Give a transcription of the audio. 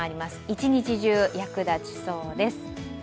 一日中、役立ちそうです。